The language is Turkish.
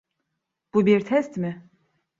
Bu bir test mi?